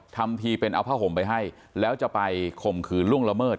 ทำทีเป็นเอาผ้าห่มไปให้แล้วจะไปข่มขืนล่วงละเมิด